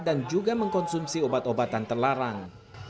dan juga mengkonsumsi obat obatan terlarang